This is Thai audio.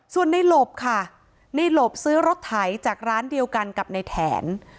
ส่วนในหลบค่ะในหลบซื้อรถไถจากร้านเดียวกันกับในแถน